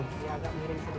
iya agak miring sedikit